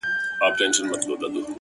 که هر څو دي په لاره کي گړنگ در اچوم.